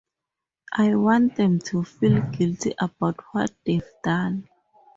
I want them to feel guilty about what they've done.